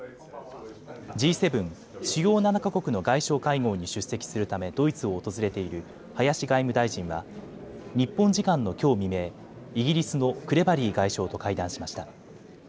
Ｇ７・主要７か国の外相会合に出席するためドイツを訪れている林外務大臣は日本時間のきょう未明、イギリスのクレバリー外相と会談しました。